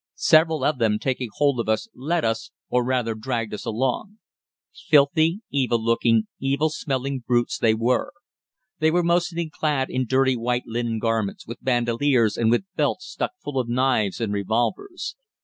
Several of them taking hold of us led us or rather dragged us along. Filthy, evil looking, evil smelling brutes they were. They were mostly clad in dirty white linen garments, with bandoliers and with belts stuck full of knives and revolvers.